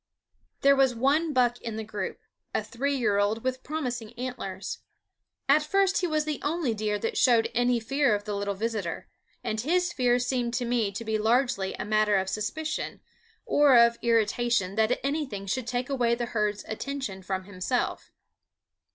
There was one buck in the group, a three year old with promising antlers. At first he was the only deer that showed any fear of the little visitor; and his fear seemed to me to be largely a matter of suspicion, or of irritation that anything should take away the herd's attention from himself.